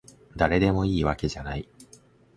だれでもいいわけじゃない